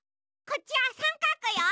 こっちはさんかくよ。